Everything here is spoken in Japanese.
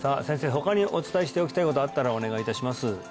他にお伝えしておきたいことあったらお願いいたします